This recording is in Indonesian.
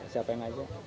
siapa yang ngajak